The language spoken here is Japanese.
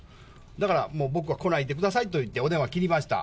だからもう、僕は来ないでくださいと言って、お電話切りました。